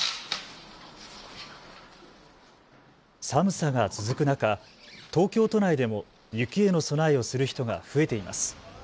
寒さが続く中、東京都内でも雪への備えをする人が増えています。